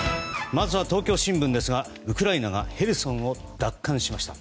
まずは東京新聞ですがウクライナがヘルソンを奪還しました。